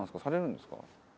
されるんですか？